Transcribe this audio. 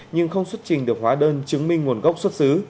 nhưng không xuất trình được hóa đơn chứng minh nguồn gốc xuất xứ